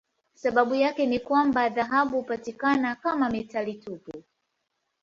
Sababu yake ni kwamba dhahabu hupatikana kama metali tupu.